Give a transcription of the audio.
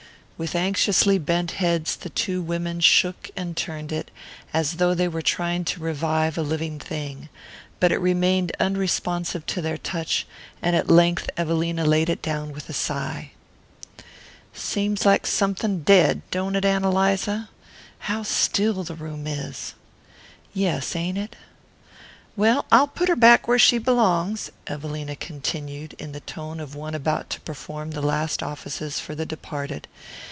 With anxiously bent heads the two women shook and turned it, as though they were trying to revive a living thing; but it remained unresponsive to their touch, and at length Evelina laid it down with a sigh. "Seems like somethin' DEAD, don't it, Ann Eliza? How still the room is!" "Yes, ain't it?" "Well, I'll put her back where she belongs," Evelina continued, in the tone of one about to perform the last offices for the departed.